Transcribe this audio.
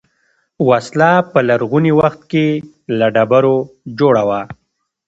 وسله په لرغوني وخت کې له ډبرو جوړه وه